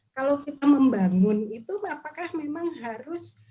kalau kita membangun itu apakah memang harus